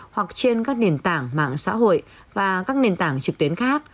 hoặc trên các nền tảng mạng xã hội và các nền tảng trực tuyến khác